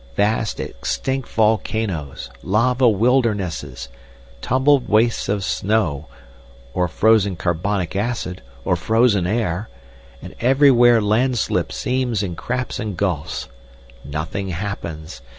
Vast extinct volcanoes, lava wildernesses, tumbled wastes of snow, or frozen carbonic acid, or frozen air, and everywhere landslip seams and cracks and gulfs. Nothing happens.